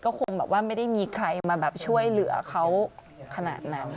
ก็คงไม่ได้มีใครมาช่วยเหลือเขาขนาดนั้น